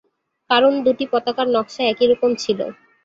কারণ দুটি পতাকার নকশা একইরকম ছিল।